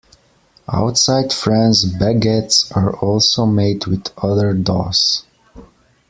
Outside France, baguettes are also made with other doughs.